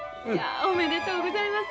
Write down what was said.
おめでとうございます。